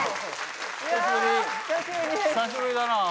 久しぶりだな。